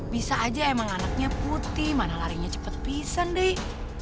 bisa aja emang anaknya putih mana larinya cepet pisang dek